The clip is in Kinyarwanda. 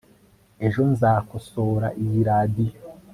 ejo nzakosora iyi radio